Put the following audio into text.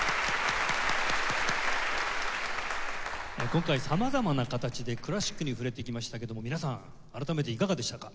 今回様々な形でクラシックに触れてきましたけども皆さん改めていかがでしたか？